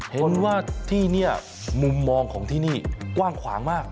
เห็นว่าที่นี่มุมมองของที่นี่กว้างขวางมาก